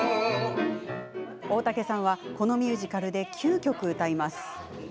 大竹さんは、このミュージカルで９曲歌います。